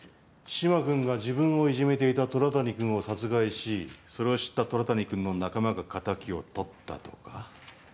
嶋君が自分をいじめていた虎谷君を殺害しそれを知った虎谷君の仲間が敵をとったとか？